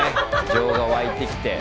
情が湧いてきて。